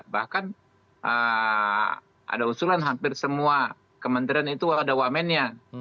bahkan ada usulan hampir semua kementerian itu ada wamennya